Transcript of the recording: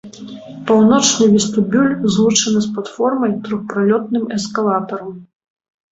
Паўночны вестыбюль злучаны з платформай трохпралётным эскалатарам.